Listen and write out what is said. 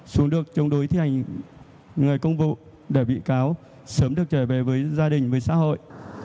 xuống được chống đối thi hành người công vụ để bị cáo sớm được trở về với gia đình với xã hội